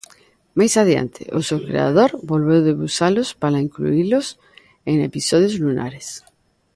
Máis adiante, o seu creador volveu debuxalos para incluílos en 'Episodios lunares'.